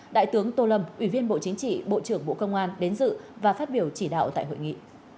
đại tướng tô lâm ủy viên bộ chính trị bộ trưởng bộ công an đến dự và phát biểu chỉ đạo tại hội nghị